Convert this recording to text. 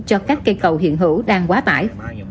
cho các cây cầu hiện hữu đang quá tải